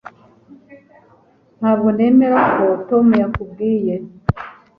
Ntabwo nemera ko Tom yakubwiye